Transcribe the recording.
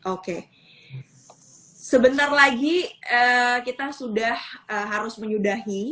oke sebentar lagi kita sudah harus menyudahi